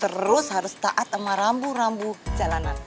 terus harus taat sama rambu rambu jalanan